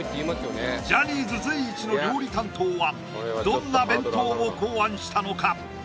ジャニーズ随一の料理担当はどんな弁当を考案したのか？